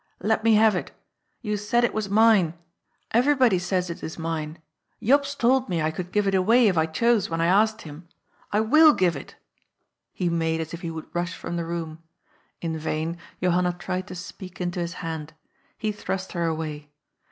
" Let me have it. You said it was mine. Everybody says it is mine. Jops told me I could give it away, if I chose, when I asked him. I will give it" He made as if he would rush from the room. In vain Johanna tried to speak into his hand. He thrust her away.